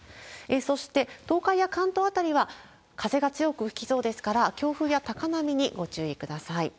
そして、東海や関東辺りは風が強く吹きそうですから、強風や高波にご注意ください。